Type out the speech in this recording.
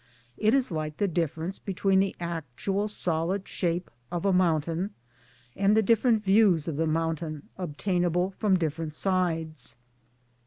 It is like the difference between the actual solid shape of a mountain and the different views of the mountain obtainable from different sides.